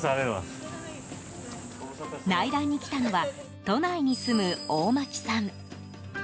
内覧に来たのは都内に住む大巻さん。